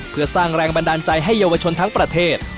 เพื่อสร้างแรงบันดาลใจให้เยาวชนทั้งประเทศ